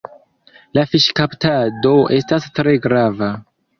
La fiŝkaptado estas tre grava.